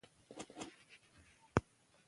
په افغانستان کې د لوگر لپاره طبیعي شرایط مناسب دي.